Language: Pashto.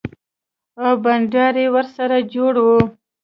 او بنډار يې ورسره جوړ و.